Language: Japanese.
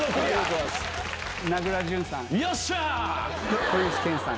名倉潤さん。